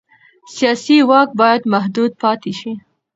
سیاسي واک باید محدود پاتې شي